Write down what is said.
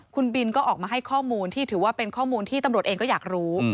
คุณบินก็ออกมาให้ข้อมูลที่ถือว่าเป็นข้อมูลที่ตำรวจเองก็อยากรู้